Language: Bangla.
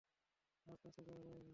আর কাছে যাওয়া যাবে না।